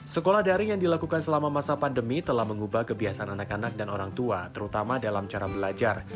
sekolah daring yang dilakukan selama masa pandemi telah mengubah kebiasaan anak anak dan orang tua terutama dalam cara belajar